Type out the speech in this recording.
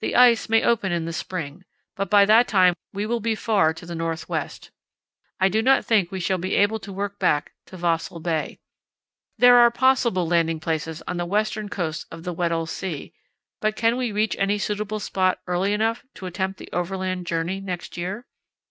The ice may open in the spring, but by that time we will be far to the north west. I do not think we shall be able to work back to Vahsel Bay. There are possible landing places on the western coast of the Weddell Sea, but can we reach any suitable spot early enough to attempt the overland journey next year?